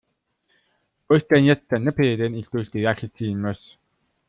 Wo ist denn jetzt der Nippel, den ich durch die Lasche ziehen muss?